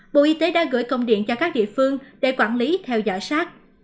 bộ y tế đã gửi công điện cho các địa phương để quản lý theo dõi sát